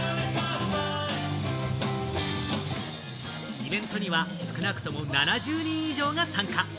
イベントには少なくとも７０人以上が参加。